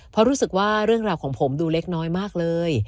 เพราะรู้สึกว่าเรื่องราวของผมดูเล็กน้อยมากเลย